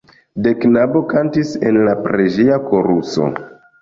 De knabo kantis en la preĝeja koruso.